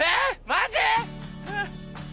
マジ？